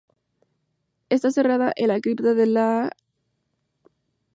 Está enterrada en la Cripta de los Hohenzollern en la Catedral de Berlín.